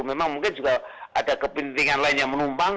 memang mungkin juga ada kepentingan lain yang menumpang